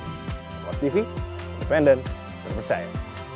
kompastv independent dan percaya